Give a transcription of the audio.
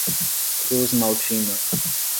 Cruzmaltina